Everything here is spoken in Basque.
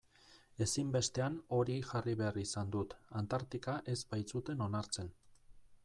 Ezinbestean hori jarri behar izan dut, Antartika ez baitzuten onartzen.